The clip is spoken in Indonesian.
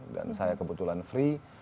dan saya kebetulan free